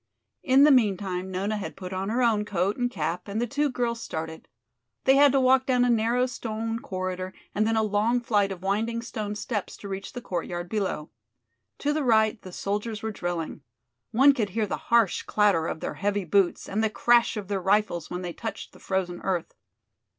In the meantime Nona had put on her own coat and cap and the two girls started. They had to walk down a narrow stone corridor and then a long flight of winding stone steps to reach the courtyard below. To the right the soldiers were drilling. One could hear the harsh clatter of their heavy boots and the crash of their rifles when they touched the frozen earth.